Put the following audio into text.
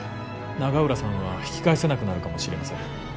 永浦さんは引き返せなくなるかもしれません。